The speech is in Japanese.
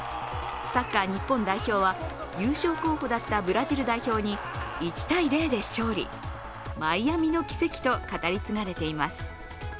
サッカー日本代表は優勝候補だったブラジル代表に１−０で勝利、マイアミの奇跡と語り継がれています。